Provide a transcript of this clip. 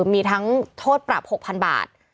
มีทั้งโทษปรับ๖๐๐๐บาท